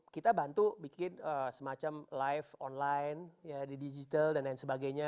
kita bantu bikin semacam live online di digital dan lain sebagainya